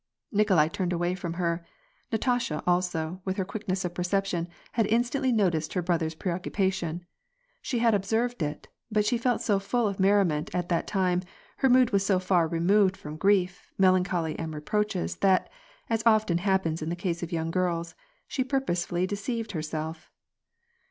Nikolai turned away from her. Natasha also, with her quickness of perception, had instantly noticed her brother's preoccupation. She had observed it, but she felt so full of merriment at that time, her mood was so far removed from grief, melancholy, and reproaches, that (as often happens in the case of young girls) she purposely deceived herself.